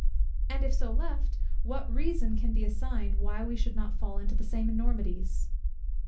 and if so left, what reason can be assigned why we should not fall into the same enormities?